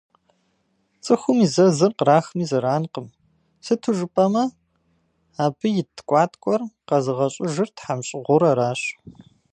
Цӏыхум и зэзыр кърахми зэранкъым, сыту жыпӏэмэ, абы ит ткӏуаткӏуэр къэзыгъэщӏыжыр тхьэмщӏыгъур аращ.